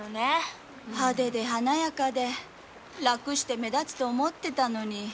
派手で華やかで楽して目立つと思ってたのに。